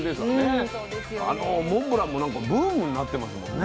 あのモンブランもなんかブームになってますもんね。